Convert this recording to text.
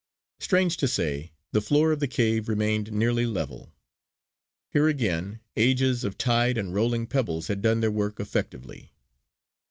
Strange to say, the floor of the cave remained nearly level. Here again, ages of tide and rolling pebbles had done their work effectively.